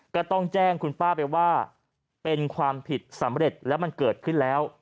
ก็ต้องแจ้งคุณป้าไปว่าเป็นความผิดสำเร็จแล้วมันเกิดขึ้นแล้ว